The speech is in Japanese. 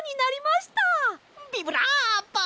ビブラーボ！